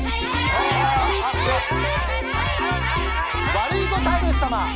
ワルイコタイムス様。